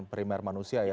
primer manusia ya